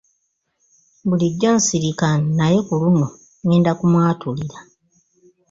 Bulijjo nsirika naye ku luno ngenda mwatulira.